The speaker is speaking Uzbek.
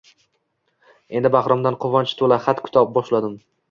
Endi Bahromdan quvonch to`la xat kuta boshladim